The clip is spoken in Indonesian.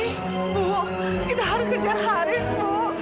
itu kita harus kejar haris bu